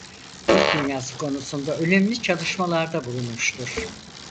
Türk dünyası konusunda önemli çalışmalarda bulunmuştur.